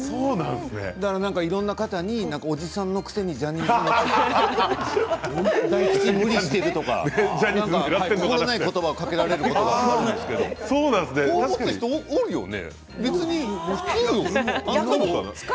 だからいろんな方におじさんのくせにジャニーズ持ちで無理をしてるとか心ない言葉をかけられることが多いんですけどこう持つ人多いよね。